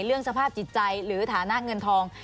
เรื่องสภาพจิตใจหรือฐานะเงินทอง